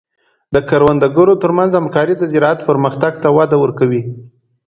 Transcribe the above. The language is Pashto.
د کروندګرو تر منځ همکاري د زراعت پرمختګ ته وده ورکوي.